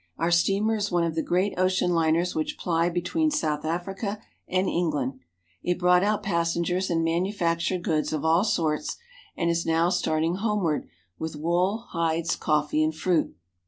Our steamer is one of the great ocean liners which ply between South Africa and England. It brought out pas sengers and manufactured goods of all sorts, and is now starting homeward with wool, hides, coffee, and fruit.